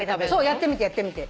やってみてやってみて。